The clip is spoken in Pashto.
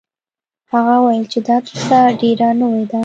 هغه وویل چې دا کیسه ډیره نوې ده.